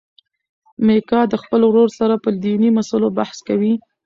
میکا د خپل ورور سره په دیني مسلو بحث کوي.